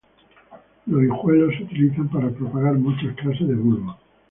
Los hijuelos se utilizan para propagar muchas clases de bulbos.